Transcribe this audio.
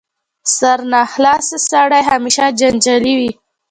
سرناخلاصه سړی همېشه جنجالي وي.